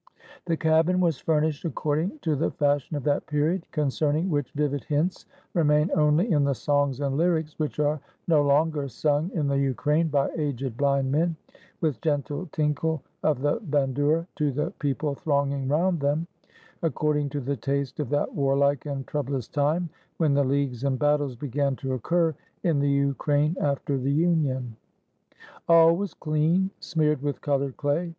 The cabin was fur nished according to the fashion of that period, — con cerning which vivid hints remain only in the songs and lyrics, which are no longer sung in the Ukraine by aged blind men, with gentle tinkle of the handoura, to the peo ple thronging round them, — according to the taste of that warlike and troublous time, when the leagues and battles began to occur in the Ukraine after the union. All was clean, smeared with colored clay.